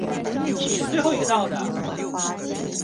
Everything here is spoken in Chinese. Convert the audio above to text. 你是最后一个到的。